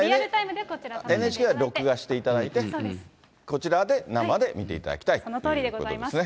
ＮＨＫは録画していただいて、こちらで生で見ていただきたいということですね。